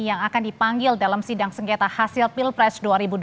yang akan dipanggil dalam sidang sengketa hasil pilpres dua ribu dua puluh